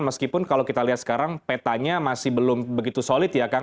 meskipun kalau kita lihat sekarang petanya masih belum begitu solid ya kang